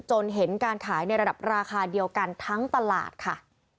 เห็นการขายในระดับราคาเดียวกันทั้งตลาดค่ะ